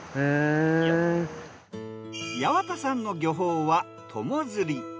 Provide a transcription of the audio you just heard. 矢幡さんの漁法は友釣り。